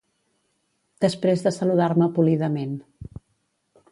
— després de saludar-me polidament.